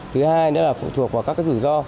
thứ hai nữa là phụ thuộc vào các rủi ro